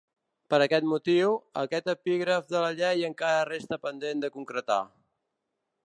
Per aquest motiu, aquest epígraf de la llei encara resta pendent de concretar.